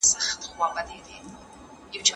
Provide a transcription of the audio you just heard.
ټولنیز پدیده باید په سمه توګه وپیژندل سي.